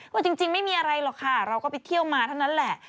จริงไม่มีอะไรหรอกค่ะเราก็ไปเที่ยวมาเท่านั้นแหละ